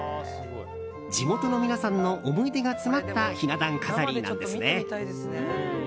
地元の皆さんの思い出が詰まったひな壇飾りなんですね。